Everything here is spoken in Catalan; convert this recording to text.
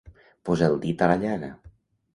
Posar el dit a la llaga.